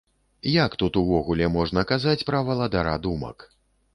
Як тут увогуле можна казаць пра валадара думак?